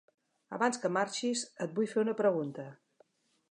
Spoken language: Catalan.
Abans que marxis, et vull fer una pregunta.